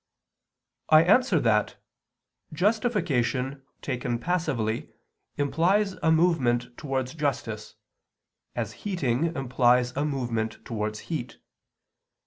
I answer that, Justification taken passively implies a movement towards justice, as heating implies a movement towards heat.